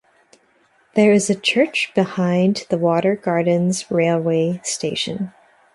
There is a church behind the Watergardens railway station.